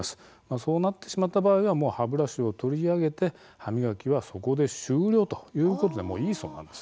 そうなってしまった場合には歯ブラシを取り上げて歯磨きはそこで終了ということでもいいそうです。